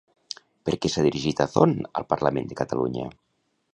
Per què s'ha dirigit Azón al Parlament de Catalunya?